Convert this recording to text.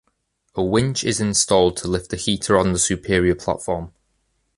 A winch is installed to lift the heater on the superior platform.